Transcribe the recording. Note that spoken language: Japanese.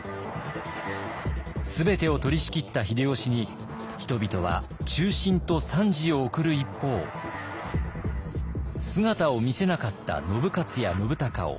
全てを取りしきった秀吉に人々は忠臣と賛辞を送る一方姿を見せなかった信雄や信孝を非難。